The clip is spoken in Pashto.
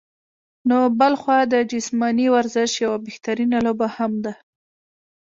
نو بلخوا د جسماني ورزش يوه بهترينه لوبه هم ده